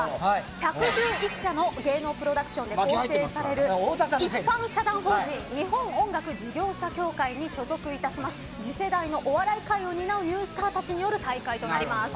１１１社の芸能プロダクションで構成される一般社団法人日本音楽事業者協会に所属する次世代のお笑い界を担うニュースターたちによる大会です。